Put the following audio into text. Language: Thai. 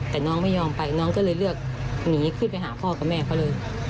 แต่น้องไม่ยอมไปน้องก็เลยเลือกหนีขึ้นไปหาพ่อกับแม่เขาเลย